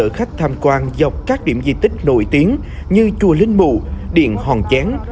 nhiều du khách tham quan dọc các điểm di tích nổi tiếng như chùa linh mụ điện hòn chén